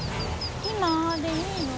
今でいいの？